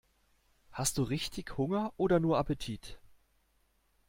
Hast du richtig Hunger oder nur Appetit?